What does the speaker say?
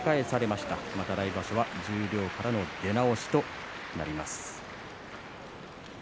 また来場所は十両からの出直しとなります。